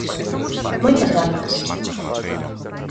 Moitas garzas.